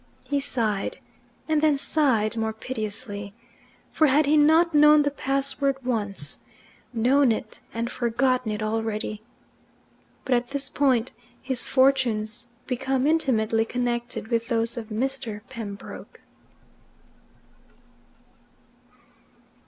He sighed, and then sighed more piteously. For had he not known the password once known it and forgotten it already? But at this point his fortunes become intimately connected with those of Mr. Pembroke.